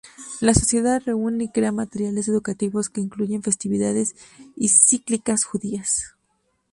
La sociedad reúne y crea materiales educativos que incluyen festividades y cíclicas judías.